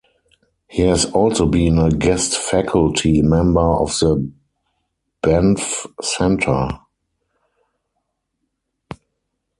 He has also been a guest faculty member of The Banff Centre.